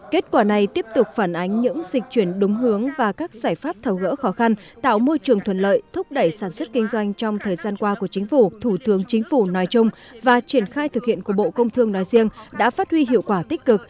kết quả này tiếp tục phản ánh những dịch chuyển đúng hướng và các giải pháp thầu gỡ khó khăn tạo môi trường thuận lợi thúc đẩy sản xuất kinh doanh trong thời gian qua của chính phủ thủ tướng chính phủ nói chung và triển khai thực hiện của bộ công thương nói riêng đã phát huy hiệu quả tích cực